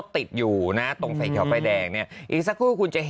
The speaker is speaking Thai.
ถอดอย่างดูสิ